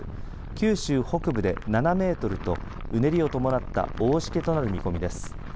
九州北部で７メートルとうねりを伴った大しけとなる見込みです。